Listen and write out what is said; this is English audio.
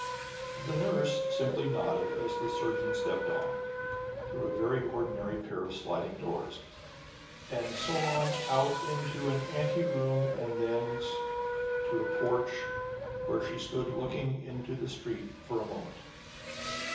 The nurse simply nodded as the surgeon stepped on, through a very ordinary pair of sliding doors, and so on out into an anteroom and thence to a porch, where she stood looking into the street for a moment.